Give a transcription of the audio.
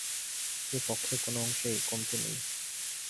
এ পক্ষে কোনো অংশেই কমতি নেই।